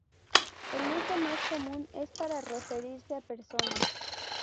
El uso más común es para referirse a personas.